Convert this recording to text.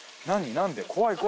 何で？